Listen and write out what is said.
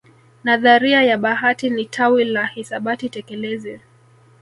Nadharia ya bahati ni tawi la hisabati tekelezi